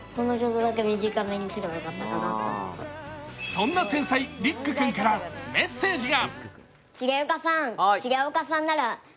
そんな天才・律久君からメッセージが。